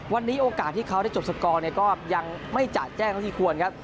วันนี้โอกาสที่เขาได้จบสกอร์ก็ยังไม่จะแจ้งเท่าที่ควรครับ